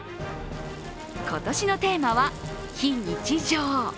今年のテーマは非日常。